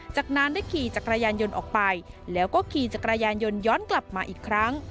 จากนั้นได้ขี่จักรยานยนต์ออกไปแล้วก็ขี่จักรยานยนต์ย้อนกลับมาอีกครั้ง